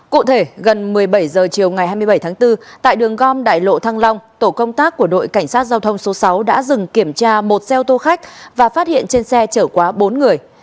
cụ thể gần một mươi bảy h chiều ngày hai mươi bảy tháng bốn tại đường gom đại lộ thăng long tổ công tác của đội cảnh sát giao thông số sáu đã dừng kiểm tra một xe ô tô khách và phát hiện trên xe chở quá bốn người